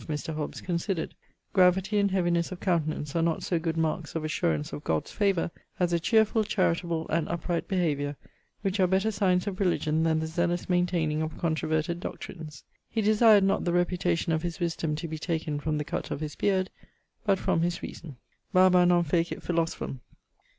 [Vide page 47 of Mr. Hobbes considered 'Gravity and heavinesse of countenance are not so good marks of assurance of God's favour, as a chearfull, charitable, and upright behaviour, which are better signes of religion than the zealous maintaining of controverted doctrines.'] He desired not the reputation of his wisdome to be taken from the cutt of his beard, but from his reason Barba non facit philosophum.